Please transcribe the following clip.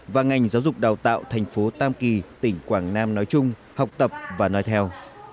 và ngành giáo dục đào tạo thành phố tam kỳ tỉnh quảng nam nói chung học tập và nói theo